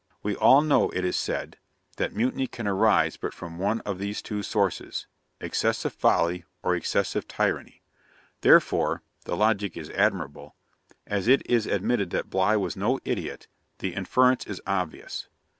'We all know,' it is said, 'that mutiny can arise but from one of these two sources, excessive folly or excessive tyranny; therefore' the logic is admirable 'as it is admitted that Bligh was no idiot, the inference is obvious.'